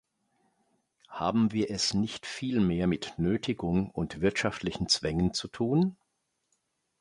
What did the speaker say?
Haben wir es nicht vielmehr mit Nötigung und wirtschaftlichen Zwängen zu tun?